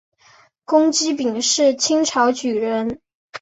龚积柄是清朝举人。